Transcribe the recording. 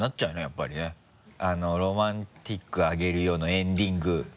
やっぱりね「ロマンティックあげるよ」のエンディング。